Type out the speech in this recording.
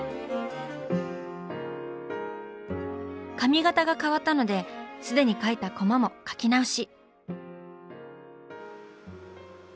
髪型が変わったのですでに描いたコマも描き直し！